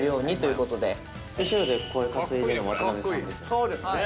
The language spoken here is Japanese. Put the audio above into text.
そうですねはい。